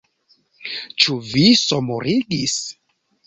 Ĉu vi somorigis?